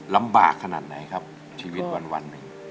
ลำบากขนาดไหนครับชีวิตวันหนึ่ง